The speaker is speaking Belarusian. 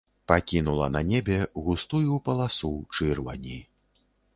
Пакінула на небе густую паласу чырвані.